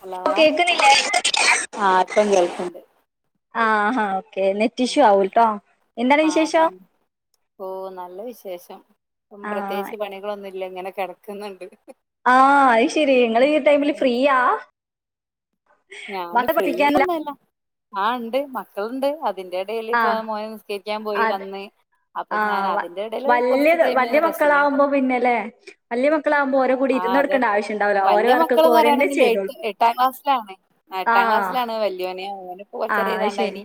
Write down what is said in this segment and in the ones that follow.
Hello ഓ കേക്കുന്നില്ലേ ആഹ് ഇപ്പൊ കേൾക്ക്ണ്ട് ആഹാ ഓക്കെ നെറ്റ് ഇഷ്യൂ ആവും ട്ടോ എന്താണ് ആ വിശേഷം ഓ നല്ല വിശേഷം ഇപ്പം ആഹ് പ്രത്യേകിച്ച് പണികളൊന്നുംല്ല ഇങ്ങനെ കെടക്കുന്നുണ്ട് ആഹ അയ്ശരി ഇങ്ങള് ഈ ടൈമില് ഫ്രീയാ ഞാന് മക്കളെ ഫ്രീ പഠിപ്പിക്കാനില്ല ഒന്നല്ല ആ ഇണ്ട് മക്കളുണ്ട് അതിന്റെ അയ്ന്റെ എടീൽപ്പൊ ആഹ് മോന് നിസ്കരിക്കാൻ പോയി അത് വന്ന് അപ്പൊ ഞാൻ ആഹ് അതിന്റെ ഇടയില് വല്യ കുറച്ച് ടൈം വല്യ റെസ്റ്റിന് മക്കളാവുമ്പോ പിന്നെല്ലേ വല്യ മക്കളാവുമ്പോ ഓരെ കൂടി ആ ഇരുന്ന് അതെ കൊടുക്കേണ്ട ആവശ്യം ഉണ്ടാവൂല്ല ഓരോ വലിയ വർക്കൊക്കെ മക്കൾന്ന് ഓരന്നെ പറയാനൊന്നില്ല എട്ട് ചെയ്തോളും എട്ടാം ക്ലാസ്സിലാണ് എട്ടാം ക്ലാസ്സിലാണ് വെല്യോന് ആ അയ്ശരി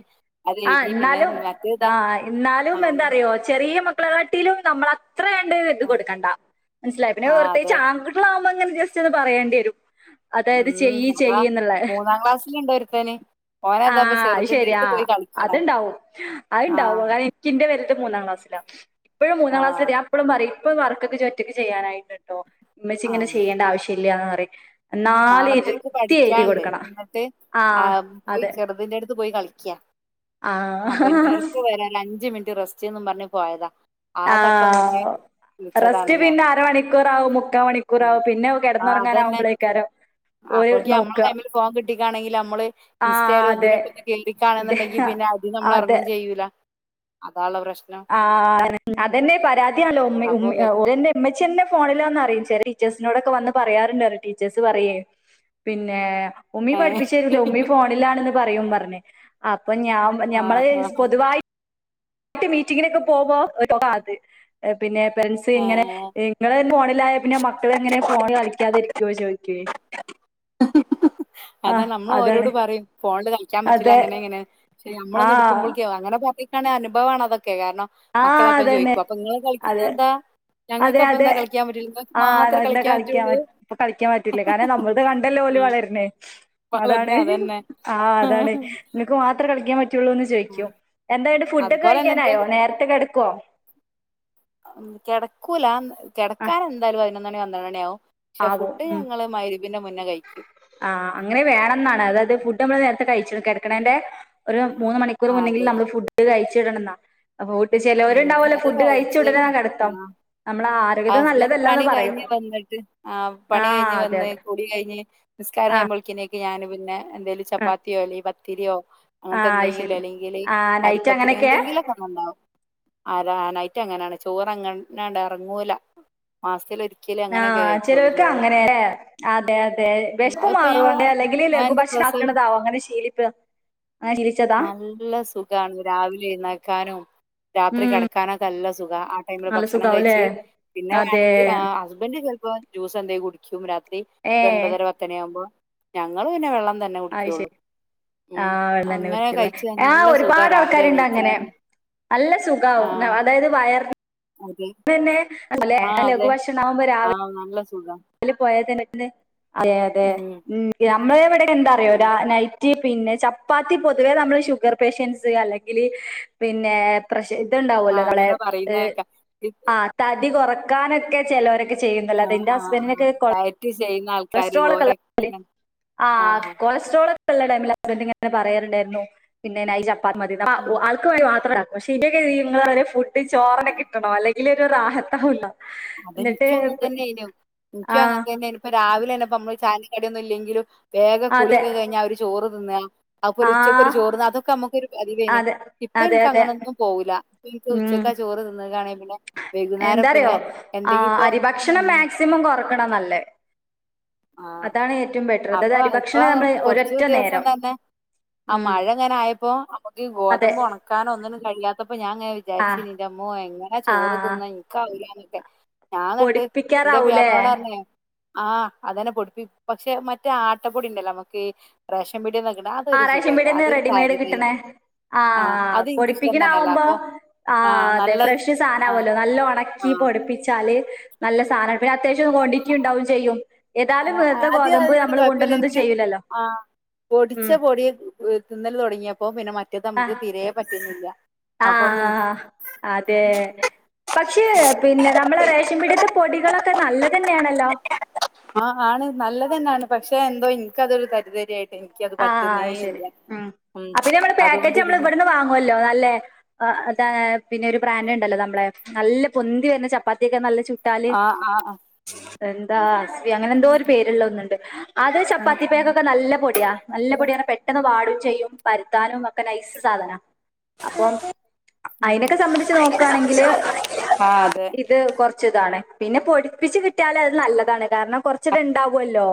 ആ പിന്നെ എന്നാലും മറ്റേതാ ആ് എന്നാലും ആ എന്താറിയോ ചെറിയ മക്കളെ കാട്ടിലും നമ്മള് അത്ര അങ്ങട്ട് ഇതു ആ കൊടുക്കണ്ട മനസ്സിലായോ പിന്നെ ആ, അതെ പ്രേത്യേകിച് അളുമ്പോ അങ്ങെനെ ജസ്റ്റ് അത് ഒന്ന് പറയേണ്ടി വരും അതായത് ചെയ്യ്ചെയ് എന്നുള്ള ഒന്നാം ക്ലാസ്സിലുണ്ട് ഒരുത്തന് ഓനതാപ്പ ആഹ അത് ചെറുതിന്റെ ശരിയാ അടുത്ത് പോയി കളിക്കണ് അത്ണ്ടാവും ആ അത്ണ്ടാവും ഇന്റെ വൽത് മൂന്നാം ക്ലാസിലാ ഇപ്പോഴും ആ മൂന്നാം ക്ലാസലെത്തി ഇപ്പളും പറയും ഇപ്പ വർക്കൊക്കെ ജി ഒറ്റക്ക് ചെയ്യാനായിണ്ട്ട്ടോ ഇമ്മച്ചി ആ ഇങ്ങനെ ചെയ്യേണ്ട ആവശ്യം ഇല്ലാന്ന് പറയും എന്നാലും നാളത്തേക്ക് ഇരുത്തി എഴുതി പഠിക്കാണ്ട് കൊടുക്കണം ഇന്നിട്ട് ആ ആഹ് ഈ പോയി അതെ ചെറുതിന്റെ അടുത്ത് പോയി കളിക്കാ അപ്പൊ ഇ ആ ഇറക്ക് വരാലോ അഞ്ച് മിനിറ്റ് റെസ്റ്റ്ന്ന് പറഞ്ഞ് പോയതാ ആ തക്കം നോക്കി ആഹ് വിളിച്ചതാണ് റസ്റ്റ് ഞാൻ പിന്നെ അരമണിക്കൂറാവും മുക്കാ മണിക്കൂറാവും പിന്നെ കെടന്നുറങ്ങാനവുമ്പളൈക്കാരം അപ്പോൾക്ക് നമ്മളെ കയ്യിൽമ്മെ ഫോൺ കിട്ടിക്കാണെങ്കിൽ നമ്മള് ആഹ് ഇൻസ്റ്റായാലും അതെ ഇതിലൊകൊന്ന് ഇതെ കേറിക്കാണണങ്കിൽ പിന്നെ അതിന്ന് നമ്മൾ അതെ ഇറങ്ങും ചെയ്യൂല അതാ ഉള്ള പ്രശ്നം ആ അതെന്നെ പരാതിയാല്ലോ ഉമ്മ അപ്പൊ ഉമ്മി വരും. ഓരെന്നെ ഉമ്മച്ചിന്നെ ഫോണിലാന്നറിയും ചെല ടീച്ചേഴ്സിനോടൊക്കെ വന്ന് പറയാറുണ്ട് ടീച്ചേഴസ് പറയേ പിന്നെ ഉമ്മീ ഏ പഠിപ്പിച്ചെരൂല ഉമ്മീ ഫോണിലാണെന്ന് പറയയും പറഞ്ഞ് അപ്പൊ ഞാൻ ആ ഞമ്മള് ആ പൊതുവായി ട്ട് മീറ്റിങ്ങിനൊക്കെ പോകുമ്പോ [unintelligible] പിന്നെ പാരസ് ഇങ്ങനെ ആ ഇങ്ങള് ഫോണിലായ പിന്നെ മക്കളെ എങ്ങനെ ഫോണില് കളിക്കാതിരിക്കോ ചോയികേ അതാണ് നമ്മള് അതാണ് ഓരോട് പറയും ഫോണില് കളിക്കാൻ പറ്റില്ല അതെ അങ്ങനെ ഇങ്ങനെ പഷെ നമ്മളൊന്ന് ആഹ് എടുക്കുമ്പഴക്കെ അങ്ങനെ പറഞ്ഞിക്കാണെ അനുഭവാണ് അതൊക്കെ കാരണം ആഹ മക്കളപ്പം അതന്നെ ചോദിക്കും അപ്പൊ നിങ്ങൾ കളിക്കുന്നത് അതെ എന്താ അതെ ഞങ്ങൾക്കപ്പം അതെ എന്താ കളിക്കാൻ പറ്റില്ല നിങ്ങൾക്ക് ആഹ് മാത്രമേ അത കളിക്കാൻ പറ്റുള്ളൂ കളിക്കാൻ പറ്റൂല്ല കാരണം നമ്മളത് കണ്ടല്ലേ ഓല് വളരു ണത് വളർന്ന അതാണ് അതന്നെ ആഹ് അതാണ് ഇങ്ങക്ക് മാത്രേ കളിക്കാൻ പറ്റയുള്ളൂ എന്ന് ചോയ്ക്കും എന്താണ്ട് ഫുഡ് ഒക്കെ കഴിക്കാനായോ നേരത്തെ കെടക്കോ കെടക്കൂല ആഹ് കെടക്കാൻ എന്തായാലും പതിനൊന്നണി പന്ത്രണ്ട് മണിയാവും പക്ഷെ ആവോ ഫുഡ് ഉം ഞങ്ങള് മയ്രിബിന്റെ മുന്നേ കഴിക്കും ആഹ് അങ്ങനെ വേണം എന്നാണ് അതായത് ഫുഡ് നമ്മള് നേരത്തെ കഴിച്ചി കിടക്കണേന്റെ ഒരു മൂന്ന് മണിക്കൂർ ആ, അത് മുന്നെങ്കില് നമ്മള് ഫുഡ് കഴിച്ചിടണംന്നാ അപ്പൊ ട്ട് ഉം ചെലോരുണ്ടാവലോ അത് ഫുഡ് കഴിച്ച ഉടനെ കിടത്തം നമ്മള ഹസ്ബന്റ് പണി കഴിഞ്ഞ് വന്നിട്ട് ആ പണി ആഹ് കഴിഞ്ഞ് അതെ വന്ന് അതെ കുളി കഴിഞ്ഞ് നിസ്കാരം ആഹ് കയ്യുമ്പോളേക്കും ഞാന് പിന്നെ എന്തേലും ആഹ് ചപ്പാത്തിയോ അല്ലെ പത്തിരിയോ അങ്ങനത്തെ ആഹ് അത് ശരി എന്തെങ്കിലും അല്ലെങ്കിൽ ആഹ് നൈറ്റ് അരിപ്പത്തിരി അങ്ങനെയൊക്കെ എന്തെങ്കിലും ണ്ടാവും ആരാ നൈറ്റ്‌ അങ്ങനാണ് ചോറ്ങ്ങനണ്ട് എറങ്ങൂല മാസത്തിലൊരിക്കലാ ആഹ് ചെലോൽക്ക് അങ്ങനെല്ലേ അതെ അതെ ഉം അതിപ്പോ ഞാൻ മാറി ഓണ്ടേ ഇവിടെ- അല്ലെങ്കിൽ ഞാൻ എന്റെ ലഘുഭക്ഷണം പ്രസവം ആക്കണതാവും അങ്ങനെ ശീലിപ്പ അങ്ങനെ ശീലിച്ചതാ നല്ല സുഖാണ് രാവിലെ എഴ്ന്നേക്കാനും രാത്രി ഉം കിടക്കാനൊക്കെ നല്ല സുഖ ആ ടൈമില് നല്ല ഭക്ഷണം സുഖാവുല്ലേ കഴിച്ച് പിന്നെ അതെ വേണെങ്കി ആ ഹസ്ബന്റ് ചെലപ്പോ ജ്യൂസ് എന്തേം കുടിക്കും രാത്രി ഒര ഏഹ് ഒൻപതര എട്ട് മണിആകുമ്പോ ഞങ്ങളും പിന്നെ വെള്ളം തന്നെ അത് ശരി കുടിക്കൊള്ളൂ ആഹ് വെള്ളം ന്നെ കുടിക്കൊള്ളു ആഹ് നല്ല സുഖ ഒരുപാട് രാവിലെ ആൾക്കാരുണ്ടങ്ങനെ എണീക്കാനും അല്ല സുഖാവും ആഹ് അതായത് വയർ അതെ പിന്നെ ആണല്ലേ ആഹ്അതെ ആഹ് നല്ല സുഖ പോയാതന്നെക്ക്ണ് അതെ അതെ ഉം നമ്മളിവിടെ എന്താറിയോ ഉം രാ നൈറ്റ് പിന്നെ ചപ്പാത്തി പൊതുവെ നമ്മൾ ഷുഗർ പേഷ്യൻറ്സ് അല്ലെ ങ്കിൽ പിന്നെ പ്രശ് ഇത്ണ്ടാവോല്ലോ ആഹ് നമ്മളെ അങ്ങനെ ഹ് പറയുന്നേക്ക ആ തടി കുറക്കാനൊക്കെ ചെലരൊക്കെ ചെയ്യുന്നുല്ലോ ന്റെ ഹസ്സ് ആ ഡയറ്റ്ചെയ്യുന്ന ആൾ കൊളസ്ട്രോൾ ഒക്കെള്ള ആൾ ആ ആഹ് കൊളസ്ട്രോൾ ള്ള ടൈമിൽ ഹസ്ബന്റ് ഇങ്ങനെ പറയാറുണ്ടായിരുന്നു പിന്നെ നൈറ്റ് ചപ്പാതിമതി അപ്പൊ ഉം ആൾ അവക്ക് വേണ്ടി മാത്രണ്ടാക്കും പക്ഷെ ഇനൊനിങ്ങളൾ ഫുഡ് ചോറൊക്കെ കിട്ടണം അല്ലെങ്കിൽ ഒരുറാഹത്താവൂല അതനിക്കും അങ്ങനെതന്നെർന്ന് ഇൻക് ആ അങ്ങൻതന്നേനു ഇപ്പൊ രാവിലെ തന്നെപ്പ നമ്മള് ചായെക്കടിയൊന്നും ഇല്ലെങ്കിലും വേഗ അതെ കുളിയൊക്കെ കഴിഞ്ഞാ ആ ഒര് ചോറ് തിന്ന അത്പോലെ ആ ഉച്ചയ്ക്കൊ ഒരു ചോറ്ന്ന് അതൊക്കെ നമ്മക്കോരു പതിവേന് അതെ ഇപ്പൊ അതെ എനക്ക് അതെ അങ്ങനെന്നും പോവൂല ഉം ഇപ്പോൻക്കുച്ചക്കാ ചോറ് തിന്നാക്കാണേൽ പിന്നെ വെകുന്നേരം എന്താ അറിയോ പിന്നെ ആ എന്തെങ്കി ഇപ്പോ അരിഭക്ഷണം ഉം മാക്സിമം കൊറക്കണം നല്ലേ ആഹ് അതാണ് ഏറ്റവും ബെറ്റർ അത് അത് അപ്പൊ അരിഭക്ഷണ ഇപ്പൊ നമ്മൾ കൊറച്ച് ഒരൊറ്റ ദിവസം നേരം തന്നെ ആ ഉം മഴ ങ്ങനെ ആയപ്പോ നമ്മുക്ക് അതെ ഗോതമ്പ് ഉണ ക്കാന ഒന്നിനും കഴിയാത്തപ്പോ ഞാൻങ്ങനെ ആ വിചാരിച്ചു ന്റമ്മോ എങ്ങനെ ആ ചോറ് തിന്ന ഇനിക്കാവൂ ലന്നൊക്കെ ഞാൻ നട്ട് എന്റെ പൊടിപ്പിക്കാറാവൂലേ പ്യാപ്പളനോട് അറഞ്ഞെയ് ആഹ്അതന്നെ പൊടിപ്പി പക്ഷെ മറ്റേ ആട്ടപ്പൊടി ണ്ടല്ലോ നമ്മക്ക് ആ റേഷൻപീടിന്ന് റെഡിമെയ്ഡ് തരിതരിയാ കിട്ടണേ ആഹ് അത് എനിക്കിഷ്ടം പൊടിപ്പിക്കണ തന്നെയല്ല ആവുമ്പോ അപ്പൊ ആഹ് അതെ ഫ്രഷ് ആഹ് സാനാവോല്ലോ നല്ല ഉണ ക്കി ആഹ് പൊടിപ്പിച്ചാല് നല്ല സാധനം പിന്നെ അത്യാവശ്യം ക്വാണ്ടിറ്റി ണ്ടാവും ചെയ്യും ഏതാലും ആഹ് വെർതെ ആദ്യം ഗോതമ്പ് അതിനോട് നമ്മൾ കൊണ്ടന്ന ഒന്നു കുഴപ്പമില്ലായിരിക്കും ചെയ്യുലല്ലോ ആഹ് പൊടിച്ച പൊടി തിന്നൽ തതൊടങ്ങിയപ്പോ പിന്നെ മറ്റേത് ആ നമുക്ക് തീരെ പറ്റുന്നില്ല ആ അപ്പ പിന്ന അതെ പക്ഷേ പിന്നെ നമ്മളെ റേഷൻ പിടത്തെ പൊടികളൊക്കെ നല്ലതന്നെയാണല്ലോ ആ ആണ് നല്ലതന്നെയാണ് പക്ഷെ എന്തോ എനിക്കതൊരു തരിതരിയായിട്ട ആ അത് ശരി ആഹ് ഉം അപി ന്നെ നമ്മള് പാക്കറ്റ് അതുകൊണ്ട് നമ്മൾ പിന്നെ ഇവിടുന്ന് വാങ്ങുവല്ലോ നല്ലേ ആ അ പിന്നെഒരു ബ്രാൻഡ്ണ്ടല്ലോ നമ്മളെ നല്ല പൊന്തി വരുന്ന ചപ്പാത്തിയൊക്കെ നല്ല ചുട്ട് ആഹ് ആ ആ എന്താ അസ്വി അങ്ങനെ എന്തോ ഒരു പേരുള്ള ഒന്നുണ്ട് അത് ആഹ് ആഹ് ചപ്പാത്തിപ്പാക്കൊക്കെ നല്ല പൊടിയാ നല്ല പൊടിയാണ് പെട്ടെന്ന് വാടും ചെയ്യും പരുത്താനും ഒക്കെ നൈസ് സാധനാ അപ്പം ഉം അയ്നൊക്കെ സംബന്ധിച്ച് നോക്കണെങ്കില് ആഹ് അതെ ഇത് കൊറച് താണ് പിന്നെ പൊടിപ്പിച്ച് കിട്യാല് അത് നല്ലതാണ് കാരണം കൊറചോക്കെ ണ്ടാവോല്ലോ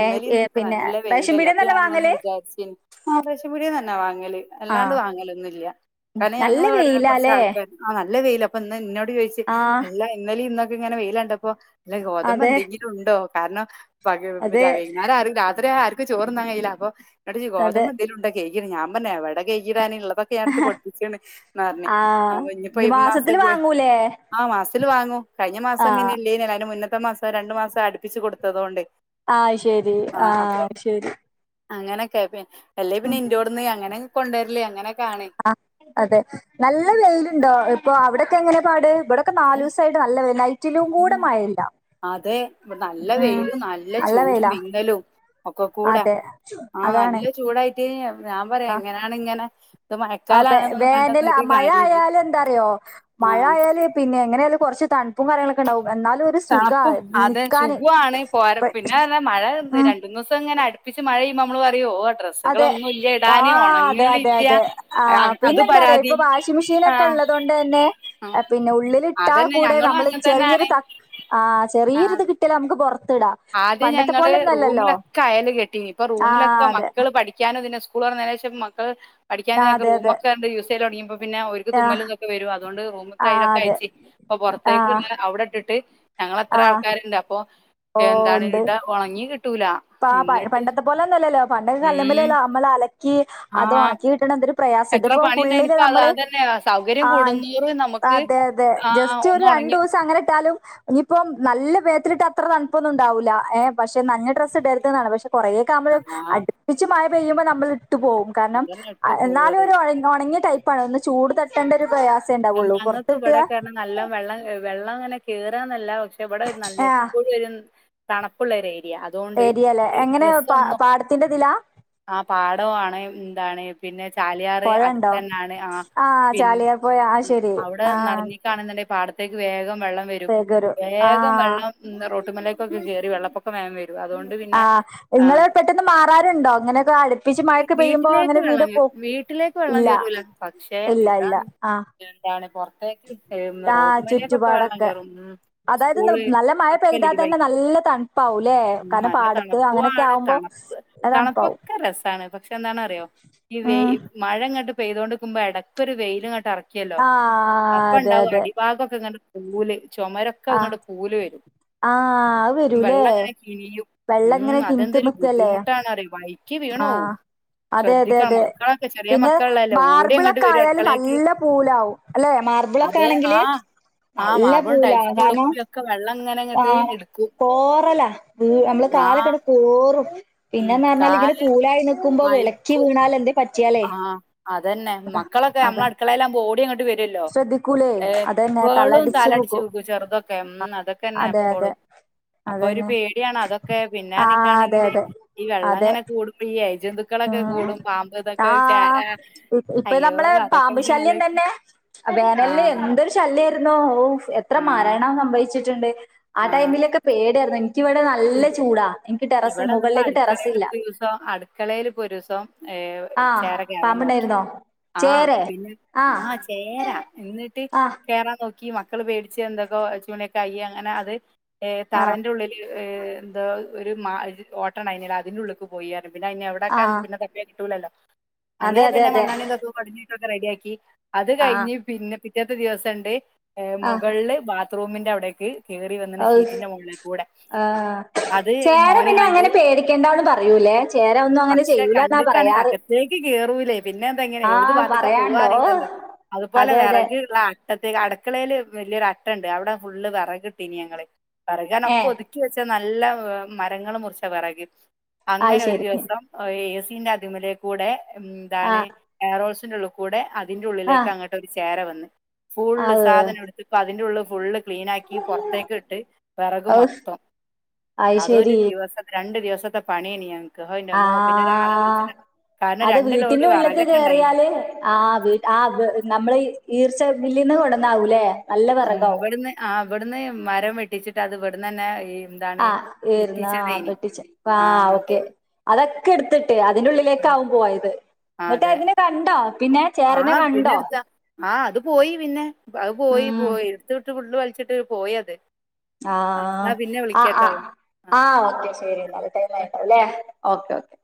ഏഹ് ഏഹ് പിന്നെ റേഷൻവിട് ട്ട് ഞാങ്ങനെ വിചാരിച്ചീർന്ന് ആ റേഷൻപീഡ്യെനെന്നെ വാങ്ങല് ആഹ് അല്ലാണ്ട് വാങ്ങലൊന്നുല്ല കാരണം നല്ല ഞങ്ങള് ഇവിടെ കൊറച്ച് വെയിലാല്ലേ ആൾക്കാര് ആഹ് നല്ല വെയിലാ പ്പൊ ഇന്ന് ന്നോട് ചോയ്ച്ച് ആഹ് അല്ല ഇന്നല ഇന്നൊക്കെ ഇങ്ങനെ വെയിലണ്ടപ്പോ ല്ല ഗോതമ്പ് അതെ എന്തെങ്കിലും ഉണ്ടോ കാരണം പക അതെ വെയ്ന്നേരരു ആരു രാത്രി ആര് ചോർന്നാങ്കയ്ല അപ്പൊ അതെ ഗോതമ്പ് എന്തെങ്കിണ്ടെങ്കി കെയ്കിടാ ഞാ പറ എവടെ കെയ്‌കിടാന് ള്ളത് ക്യെട്ത്ത് പൊടിപ്പിച്ച്ണ് ന്നർണ് ന്നറ്ഞ്ഞ് ആഹ് അപ്പ ഞ്ഞ്പ്പോ ഇനി ഈ മാസ്ത്തെ മാസത്തില് പോയ് വാങ്ങൂലേ ആഹ് മാസ് തില് വാങ്ങും കയ്ഞ്ഞ മാസം ആഹ് പിന്നെ ഇല്ലേനി ഐന്റെ മുന്നത്തെ മാസം രണ്ടു മാസം അടുപ്പിച്ച് കൊടുത്തതോണ്ടെ. ആഹ് ശെരി ആഹ് ശെരി. അങ്ങനെക്കെ എല്ലേ പിന്നെ ഇന്റോട്ന്ന് അങ്ങനെ കൊണ്ടെര്ല് അങ്ങനെക്ക ആണ്. ആ അതെ നല്ല വെയില്ണ്ടോ ഇപ്പൊ അവിടെക്കെ എങ്ങനെ പാട് ഇഭടെ ക്കെ നാല് സുയിട്ട് നല്ല വെല ഇച്ചിലി കൂടെ മഴല്ല.. അതെ വ്ടെ നല്ല വെയിലും നല്ല ചൂടും വിങ്ങലും ഒക്കെ കൂടെ അതെ ആഹ് അതാണ് നല്ല ചൂടായിട്ട് ഞാൻ പറയും എങ്ങനാണ് ഇങ്ങനെ ഇത് ആ പേ മഴക്കാലാണെന്നൊന്നും വേനല പറഞ്ഞിട്ടൊന്നും ഒരു ആഹ് മഴ കാര്യല്ല ആയാല് എന്താറ്യോ ആ മഴ ആയാല് പിന്നെ എങ്ങനെയാല് കൊറച്ച് തണുപ്പും കാര്യങ്ങളൊക്കെണ്ടവു എന്നാലു താണ്പ്പും അത് ചുഗുആണ് പോര ഇപ്പൊ- പിന്നെ ർഞ്ഞ മഴ പ്പിനെ ഉം രണ്ടു ന്ന് സം ങ്ങനെ അട് പ്പിച്ച് മഴ യുമ്പോ മ്മള് പറയു ഓ ഡ്ര അതെ ആഹ് അതെ അതെ അതെ ആഹ് അത് പിന്നെന്താ റയോ പരാതി പ്പ ഭാഷ ആ മിഷീനെക്കെ ഇള്ള തോണ്ട തന്നെ പിന്നെ ഉള്ളിലിട്ടാ അതന്നെ കൂടെ ഞങ്ങളും നമ്മൾ അങ്ങനെ ചെറിയൊരു തന്നാണ് ത ആഹ് ആ ചെറിയോരുത് കിട്ടിയാൽ നമ്മൾക്ക് പുറത്ത് ഇടാം. ആദ്യം ഞങ്ങള് റൂമിലൊക്കെ അയാല് കെട്ടി ഇപ്പൊ ആ റൂമിലൊക്കെ അതെ. മക്കള് പഠിക്കാനും ഇതിന് സ്കൂളോർ ന്നേനെഷം മക്കള് ആ, പടിക്കാനൊക്കെ അതെ, അതെ. റൂമൊക്കെ യൂസ്യ്യല് ഒടങ്ങിപോ പിന്നെ ഒര്ക്ക് ആഹ് തുമ്മലും കെ വെരും അതോണ്ട് റൂമ്ത്തെ ആഹ് ഐലൊക്കെ അതെ. അയച്ച് അപ്പൊ പൊറത്തേക്ക് ആഹ് ങ്ങനെ അവ്ടെ ഇട്ട്ട്ട് ഞങ്ങെത്ര ആഹ് ആൾക്കാരുണ്ട് അപ്പൊ എന്താണ് ഇട ഒണങ്ങി കിട്ടൂല ഇപ്പൊ എന്നിട്ട് പണ്ടത്തെ പോലെ ഒന്നും അല്ലല്ലോ പണ്ടൊക്കെ കല്ലുമേൽ ഉം നമ്മൾ അലക്കി അത് ആഹ് ഉണക്കികിട്ടണേ പ്രയാസം എത്ര ഇതിപ്പോ പണിണ്ടായിനി ഫുള്ളില് ഇപ്പ അത് നമ്മള് അതന്നെ സൗകര്യം ആഹ് കൂടുന്തോറും നമുക്ക് അതെ അതെ ആഹ് ജസ്റ്റ് ഒരു ഒന്ന് ഒണങ്ങി രണ്ടുദിവസം [unintelligible] അങ്ങനെ ഇട്ടാലും ഇനിയിപ്പം നല്ല മേത്തിലട്ട് അത്ര തണുപ്പൊന്നും ഉണ്ടാവൂല്ല ഏഹ് പക്ഷെ നനഞ്ഞ ഡ്രസ്സ് ഇടരുതാണ് പക്ഷെ കുറേ [unintelligible] ആഹ് അടിച്ച് മഴ പെയ്യുമ്പോ നമ്മൾ ഇട്ട് പോകും കാരണം അതന്നെ ഇട്ട് എന്നാലു പോവത്. ഒരു ഒഴ ഉണങ്ങിയ ടൈപ് ഇപ്പതോന്ന് ചൂട് തട്ടേണ്ട ഒരു പ്രയാസം ഉണ്ടാവുള്ളൂ ഞങ്ങൾക്ക് പുറത്തിട്ടാ ഇവിടെക്കെ പറഞ്ഞാ നല്ല വെള്ളം വെള്ളം അങ്ങനെ ക കേറാന്നല്ല പക്ഷെ ഇവിടെ നല്ല ആഹ് എപ്പോഴും ഒരു തണപ്പുള്ള ഒരു ഏരിയ അതോണ്ട് ഏരിയല്ലേ എങ്ങനെ പാ ഡ്രസ്സോന്നും പാടത്തിന്റെതിലാ ആഹ് പാടമാണ് എന്താണ് പിന്നെ ചാലിയാറ് പൊഴണ്ടോ അടുത്തന്നാണ് ആഹ് ചാലിയാർ പോയ ആഹ ശരി ആഹ കാണന്നുണ്ടേ പടത്തേക്ക് വേഗം വെള്ളം വ ബേഗൂര് വേഗം ആഹ് വെള്ളം റോട്ടുമലക്കൊക്ക കേറി വെള്ളപ്പൊക്കെ വേവരും അതുകൊണ്ട് പിന്നെ ആഹ് ആഹ് ഇങ്ങള് പെട്ടെന്ന് മാറാറുണ്ടോ ഇങ്ങനെയൊക്കെ അടുപ്പിച്ച് മഴയൊക്കെ പെയ്യുമ്പോ വീട്ടിലേക്ക് അങ്ങനെ വീട് വെള്ളം പോ വീട്ടിലേക്ക് വെള്ളം കേറൂല പക്ഷേ ല്ല ആഹ് എന്താണ് പൊറത്തേക്ക് പെയ്യുന്ന താ റോട്ട്മെലേക്കൊക്കെ വെള്ളം ചുറ്റുപാടൊക്കെ കേറും ഉം അതായത് സ്കൂള് നല്ല മഴ ഒക്കെ പെയ്താതന്നെ ലീവായിക്കും നല്ല തണുപ്പാവു ല്ലേ. ഉം കാരണം നല്ല പാടത്ത് അങ്ങനെയൊക്കെ തണുപ്പുമാണ് ആകുമ്പോ. തണ തണുപ്പൊക്കെ രസാണ് പക്ഷെ എന്താണ് അറിയോ ഈ വെയിൽ ഉം മഴങ്ങട്ട് പെയ്ത് കൊണ്ട് ഇരിക്കുമ്പോ ഇടക്കൊ ഒരു വെയിൽ ഇങ്ങട്ട് ഇർ ക്കെല്ലോ ആഹ് അതെ അപ്പണ്ടാവും അതെ അടിഭാഗൊക്കെ ങ്ങട്ട് പൂല് ചൊമരൊക്കെ ആഹ് ങ്ങട് പൂല് വരും. ആഹ് അത് വരൂല്ലേ വെള്ളങ്ങനെ കിണിയും വെള്ളം ഉം ഇങ്ങനെ കിനിത്ത് അതെന്തൊരു നിക്കല്ലേ ബുദ്ധിമുട്ടാന്നറിയൊ വായി ക്കി വീണോവും ആഹ് അതെ അതെ ശ്രദ്ധിക്കണം അതെ മക്കളൊക്കെ ചെറിയ പിന്നെ മക്കള്ല്ലല്ലേ ഓടി ങ്ങട്ട് മാർബിളൊക്കെ വരും അട് ആയാല് നല്ല പൂലാവും അല്ലെ അത് മാർബിളൊക്കാണെങ്കില് ആ ആ നല്ല മാർബിളും പൂലാ ടൈൽസിന്റെ ഉള്ളിൽ കാരണം കൂടി ഒക്കെ വെള്ളം ഇങ്ങനെ ആ അങ്ങോട്ട് എടുക്കും പോറല നമ്മള് ആ കാലൊക്കെടു പോറും ഉം, പിന്നെന്നർഞ്ഞാല് ങ്ങനെ കാല് പൂലായി നിക്കുമ്പോ വിളക്കി വീണാലെന്തെ ആഹ് അതന്നെ മക്കളൊക്കെ അതാ നമ്മളട് ക്കളെലാവുമ്പോ ഓടിയങ് വരുല്ലോ ശ്രദ്ധിക്കൂലേ അതന്നെ എപ്പോളും തലടിച്ചു താലടിച്ച് പോകും വീകും ചെറുതൊക്കെ ഉം അതൊക്കെന്നെ അതെ അതെ എപ്പോളും അപ്പൊ ഒരു അതന്നെ പേടിയാണ് അതൊക്കെ പിന്നെ ആഹ് അതെ നിക്കാണെങ്കില് അതെ ഈ അതെ വെള്ളങ്ങനെ കൂടു ഫ്രീയായി ജന്തുക്കളക്കെ ഉം കൂടും പാമ്പ് തൊ ആഹ് ഇപ്പ നമ്മളെ അതൊക്കെ ഇങ്ങനെ പാമ്പുശല്യം ആലോചിക്കും തന്നെ ആ വേനല് എന്ത്‌ ന്തെരു ശല്യായിര്ന്നു ഔഫ് എത്ര ആ മാരണം സംഭവിച്ചിട്ട്ണ്ട് ആ ടൈമിലൊക്കെ പേടിയായിര്ന്നു. ക്കി വടെ നല്ല ഇവ- ചൂടാ ഇൻക്ക് ടെറസ് മുകളിലേക്ക് ടെറസ് ല്ല പോ അട്ക്കളേൽ പ്പോ ഒരോസം ഏഹ് ആഹ് ചേര കേറാൻ നോക്കി പാമ്പുണ്ടായിരുന്നോ ആ ചേരെ പിന്നെ ആഹ് ചേരാ എന്നിട്ട് ആഹ് കേറാ നോ ക്കീ മക്കള് പേടച്ച് ന്തൊക്കൊ ഒച്ചിം വിളിയൊക്കെ ആയി ആഹ് അങ്ങനെതറന്റെ ഉള്ള് ഏ ന്തോ ഒര് മ ഓട്ടണ്ടായിനിയെല്ലോ അതിന്റുള്ള്ക്ക് പോയി അർഞ് പിന്ന അയ്നെ എവടക്കെ ആഹ് പിന്നെ കിട്ടൂലല്ലോ അതെ അങ്ങനെ അതെ പിന്നെ അതെ മണ്ണണ്ണീ തൊക്കെ കൊട്ഞ്ട്ടൊക്കെ റെഡിയാക്കി അത് ആഹ് കഴിഞ് പിന്നെ പിറ്റത്തെ ദിവസണ്ട് ആഹ് മുകൾല് ഏ ബാത്റൂമിന്റെ അവിടേക്ക് കേറി വന്നിണ് ഔഹ് ഷീറ്റിന്റെ മുകളിൽ കൂടെ ആഹ് അത് ചേര മോന് പിന്നെ കണ്ട് അങ്ങനെ പേടിക്കേണ്ടന്ന് പറയൂലേ ചേര ഒന്നും അങ്ങനെ ചെയ്യൂല എന്നാ പറയാറ് തേക്ക് കേറൂലേ പിന്നെന്താ ങ്ങനെ ഏത് ആഹ് ബാത്ത്ക്ക പറയാണ്ടോ പോവാറീല്ലല്ലോ അതുപോലെ അതെ അതെ വെറക് റ ട്ടത്തേ അട്ക്കളേല് വലിയൊരു അട്ടണ്ട് അവടെ ഫുള്ള് വെറക്ട്ടീനി ഞങ്ങള് വെറക്ർഞ്ഞാ ഏഹ് ഒക്കതു ക്കി വെച്ച നല്ല വെ മരങ്ങൾ മുർച്ച വെറക് അയ് അങ്ങനെ ഒര് ശരി ദിവസം എ സിന്റെ അതിമലേ കൂടെ ഉം താണ് ആഹ് എയറോൾസിന്റെള്ള് കൂടെ അതിന്റെ ഉള്ളിലേക്ക് ആഹ് അങ്ങട്ട് ഒരു ചേര വന്ന് ഫുള്ള് ആഹ് സാധനം എടുത്ത് പ്പ അതിന്റെള്ള് ഫുള്ള് ക്ലീനാക്കി പൊറത്തേക്ക്ട്ട് വെറക് ഔഹ് മൊത്തം അയ് അതൊരു ശരി ദിവസ രണ്ട് ദിവസത്തെ പണിയെനി ന ക്ക് എന്റമ്മോ പിന്നെ ഒരാളെ ആഹ് വിളിച്ചതാ കാരണം രണ്ടു ലോഡ് വറകക്കെണ്ടായി ആ വീ ആ നമ്മള് ഈർച്ച ബില്ലിന്ന് കൊടന്നാവൂല്ലേ ഇവെട്ന്ന് ആ വെട്ന്ന് മരം വെട്ടിച്ചിട്ട് അത് വെട്ന്നെന്നെ ഈ എന്താണ് ആ് ഈർന്ന കുത്തിച്ചതേനി വെട്ടിച്ച ആ ആ് അങ്ങനത്തെ ഓക്കെ അത ഒക്കെ ട്ത്തിട്ട് അതിന്റെറെ ഉള്ളിലേക്കാവും പോയത് ആ, ന്നട്ട് അതെ അതിനെ കണ്ടോ പിന്നെ ചേരനെ കണ്ടോ ആഹ് അത് പോയി പിന്നെ അത് പോയി ഉം പോയി ഇട്ത്ത് ഇട്ട് ഫുള്ള് വൽച്ചിട്ട് പോയി അത് ആ എന്നാ ആഹ് പിന്നെ ആ ആ വിളിക്കാട്ടോ ആ ഓക്കെ ശരി ടൈം ആയിണ്ടാവുല്ലേ ഓക്കേ ഓ